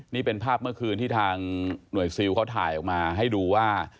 นี่เป็นภาพเมื่อคืนที่ทางหน่วยซิลเขาถ่ายออกมาให้ดูว่า